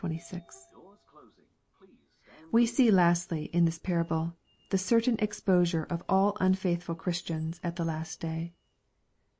We see, lastly, in this parable, the certain exposure of all unfaithful Christians at the last day.